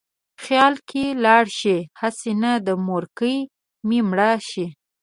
خیال کې لاړ شې: هسې نه مورکۍ مې مړه شي